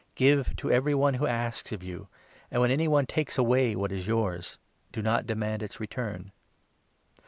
Give to every one who asks of you ; and, when 30 any one takes away what is yours, do not demand its return.